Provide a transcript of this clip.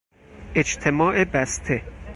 اجتماع بسته